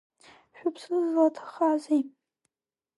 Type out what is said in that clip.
Шәыԥсы злаҭахазеи?